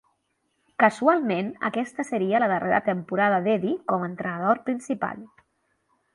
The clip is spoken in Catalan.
Casualment, aquesta seria la darrera temporada d'Eddie com a entrenador principal.